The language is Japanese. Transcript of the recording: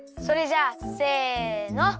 それじゃあせの。